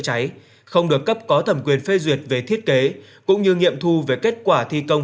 cháy không được cấp có thẩm quyền phê duyệt về thiết kế cũng như nghiệm thu về kết quả thi công